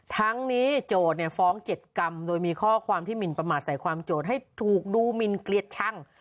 ทั้งนี้โจทย์ฟ้อง๗กรรมโดยมีข้อความที่หมินประมาทใส่ความโจทย์ให้ถูกดูหมินเกลียดชั่ง